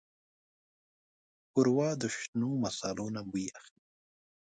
ښوروا د شنو مصالو نه بوی اخلي.